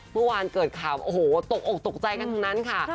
เมื่อวานเกิดข่าวโอ้โหตกอกตกใจกันทั้งนั้นค่ะ